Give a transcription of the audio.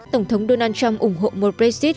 tổng thống donald trump ủng hộ một brexit